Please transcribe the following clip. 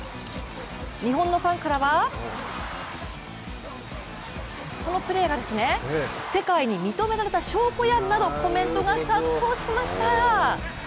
日本のファンからは、このプレーが世界に認められた証拠やんなどコメントが殺到しました。